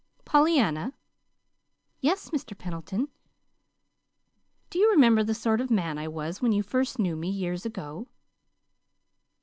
"Pollyanna." "Yes, Mr. Pendleton." "Do you remember the sort of man I was when you first knew me, years ago?"